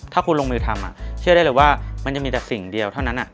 ถ้าคุณลงมือทำเชื่อได้เลยว่ามันจะมีแต่สิ่งเดียวเท่านั้น